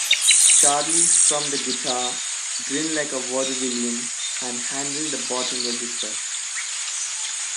Charlie strummed a guitar, grinned like a vaudevillian and handled the bottom register.